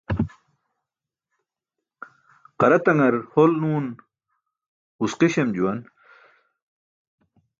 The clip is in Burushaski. Qara taṅar hol nuun ġuski̇ śem juwan.